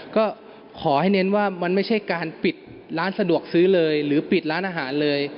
ก็ขอให้เน้นว่ามันไม่ใช่การปิดร้านสะดวกซื้อเลยหรือปิดร้านอาหารเลย